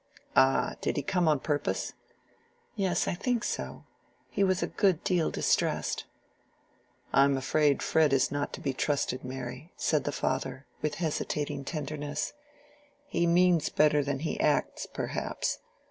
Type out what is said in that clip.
"Ah! Did he come on purpose?" "Yes, I think so. He was a good deal distressed." "I'm afraid Fred is not to be trusted, Mary," said the father, with hesitating tenderness. "He means better than he acts, perhaps.